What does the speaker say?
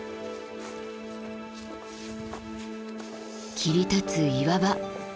切り立つ岩場。